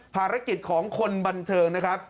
ภารกิจของคนบันเทิงนะครับ